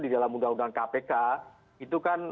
di dalam undang undang kpk itu kan